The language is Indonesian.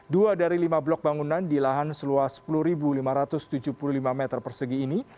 dua dari lima blok bangunan di lahan seluas sepuluh lima ratus tujuh puluh lima meter persegi ini